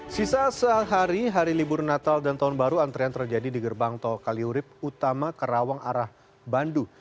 sisa sehari hari libur natal dan tahun baru antrean terjadi di gerbang tol kaliurip utama karawang arah bandung